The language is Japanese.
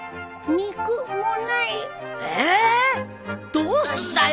どうすんだよ！